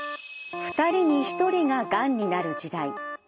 ２人に１人ががんになる時代。